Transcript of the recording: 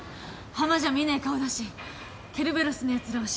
ハマじゃ見ねえ顔だしケルベロスのやつらを瞬殺。